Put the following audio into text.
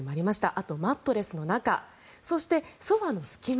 あとマットレスの中そして、ソファの隙間